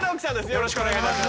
よろしくお願いします。